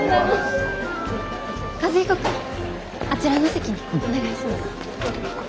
和彦君あちらの席にお願いします。